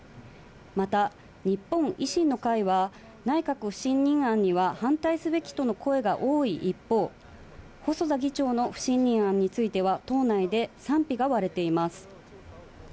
また、日本維新の会は、内閣不信任案には、反対すべきとの声が多い一方、細田議長の不信任案については、党内で賛否が割れています。